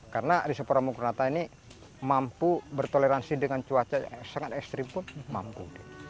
karena risopora mungkurnata ini mampu bertoleransi dengan cuaca yang sangat ekstrim pun mampu